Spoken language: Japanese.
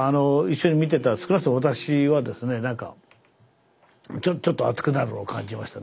一緒に見てた少なくとも私はですねなんかちょっと熱くなるのを感じましたね。